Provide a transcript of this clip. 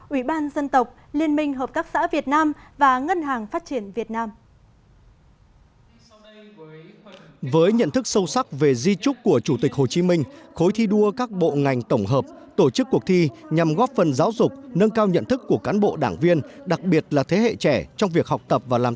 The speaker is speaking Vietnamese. ủy ban dân tộc liên minh hợp tác xã việt nam và ngân hàng phát triển việt nam